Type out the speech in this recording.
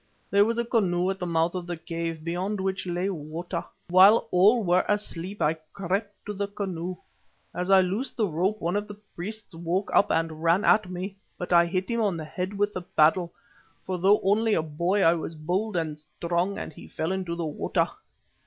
There was a canoe at the mouth of the cave, beyond which lay water. While all were asleep I crept to the canoe. As I loosed the rope one of the priests woke up and ran at me. But I hit him on the head with the paddle, for though only a boy I was bold and strong, and he fell into the water.